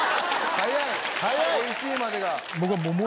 早い、おいしいまでが。